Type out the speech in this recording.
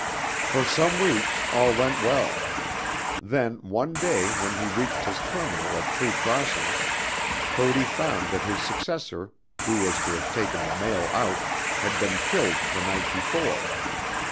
For some weeks all went well. Then, one day when he reached his terminal at Three Crossings, Cody found that his successor who was to have taken the mail out, had been killed the night before.